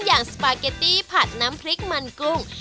สปาเกตตี้ผัดน้ำพริกมันกุ้ง